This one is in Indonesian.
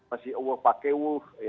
masih awal pakewuh